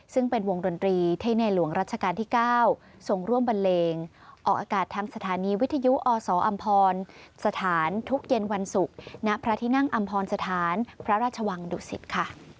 ซึ่งเป็นวงดนตรีที่ในหลวงรัชกาลที่๙ทรงร่วมบันเลงออกอากาศทางสถานีวิทยุอสออำพรสถานทุกเย็นวันศุกร์ณพระที่นั่งอำพรสถานพระราชวังดุสิตค่ะ